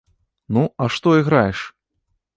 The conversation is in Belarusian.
Ну, а што іграеш?